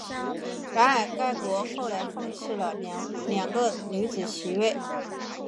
然而该国后来放弃了两个女子席位。